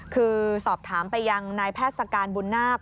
คือสอบถามไปยังนายแพทย์สการบุญนาค